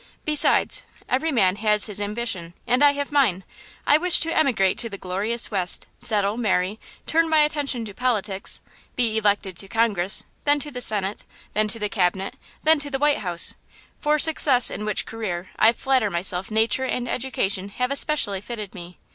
Besides, every man has his ambition, and I have mine. I wish to emigrate to the glorious West, settle, marry, turn my attention to politics, be elected to Congress, then to the Senate, then to the Cabinet, then to the White House–for success in which career, I flatter myself nature and education have especially fitted me.